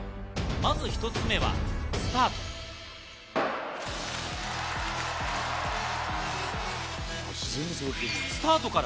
まず１つ目はスタート！